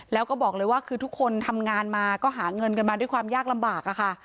แล้วก็บอกเลยว่าคือทุกคนทำงานมาก็หาเงินกันมาด้วยความยากลำบากอะค่ะ